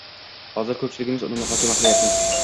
Hozir ko‘pchiligimiz uni muhokama qilyapmiz.